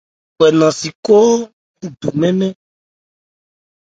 Kwɛkwɛ nɛn si khɔ́ ńdu mɛ́n-mɛ́n.